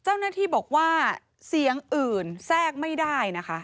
เจ้าหน้าที่บอกว่าเสียงอื่นแทรกไม่ได้นะคะ